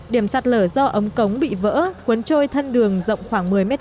điểm sạt lở do ống cống bị vỡ cuốn trôi thân đường rộng khoảng một mươi m hai